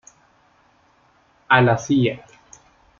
A la Cía.